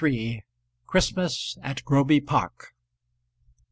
CHRISTMAS AT GROBY PARK.